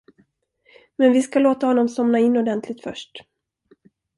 Men vi ska låta honom somna in ordentligt först.